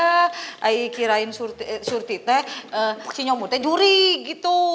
saya kirain surti teh si nyomot teh juri gitu